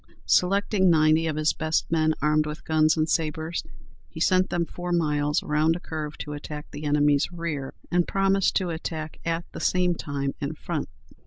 Selecting ninety of his best men, armed with guns and sabres, he sent them four miles around a curve to attack the enemy's rear, and promised to attack at the same time in front.